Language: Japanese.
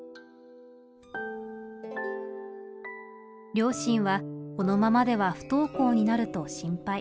両親はこのままでは不登校になると心配。